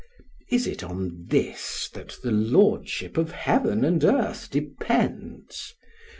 Is it on this that the lordship of heaven and earth depends?